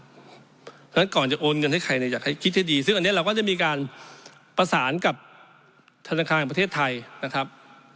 เพราะฉะนั้นก่อนจะโอนเงินให้ใครเนี่ยอยากให้คิดให้ดีซึ่งอันนี้เราก็จะมีการประสานกับธนาคารประเทศไทยนะครับ